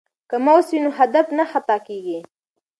که ماوس وي نو هدف نه خطا کیږي.